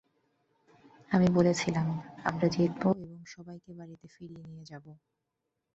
আমি বলেছিলাম, আমরা জিতবো এবং সবাইকে বাড়িতে ফিরিয়ে নিয়ে যাব।